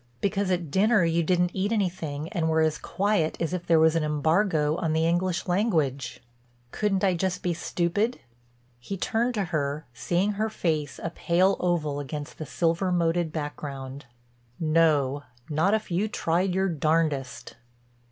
"Because at dinner you didn't eat anything and were as quiet as if there was an embargo on the English language." "Couldn't I be just stupid?" He turned to her, seeing her face a pale oval against the silver moted background: "No. Not if you tried your darndest."